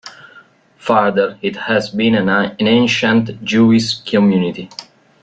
Further it has been an ancient Jewish Community.